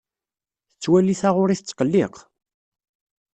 Tettwali taɣuri tettqelliq.